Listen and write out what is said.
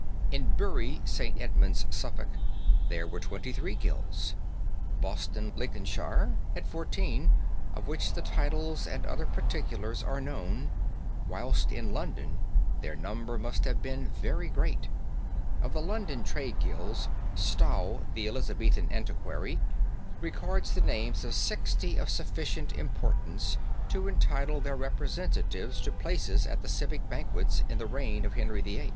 In Bury St. Edmunds, Suffolk, there were twenty three guilds; Boston, Lincolnshire, had fourteen, of which the titles and other particulars are known, whilst in London their number must have been very great. Of the London trade guilds, Stow, the Elizabethan antiquary, records the names of sixty of sufficient importance to entitle their representatives to places at the civic banquets in the reign of Henry VIII.